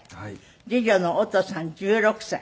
次女のおとさん１６歳。